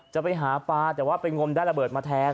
จะไปหาปลาแต่ว่าไปงมได้ระเบิดมาแทน